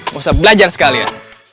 gak usah belajar sekali ya